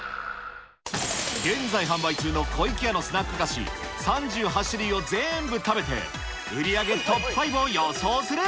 現在販売中の湖池屋のスナック菓子、３８種類を全部食べて、売り上げトップ５を予想する。